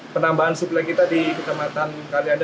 penambahan suplai kita di kecamatan kalianda